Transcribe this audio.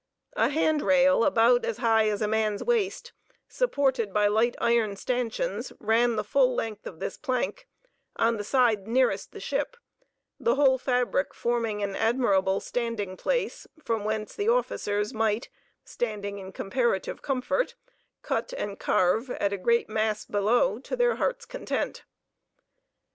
A handrail about as high as a man's waist, supported by light iron stanchions, ran the full length of this plank on the side nearest the ship, the whole fabric forming an admirable standing place from whence the officers might, standing in comparative comfort, cut and carve at the great mass below to their hearts' content.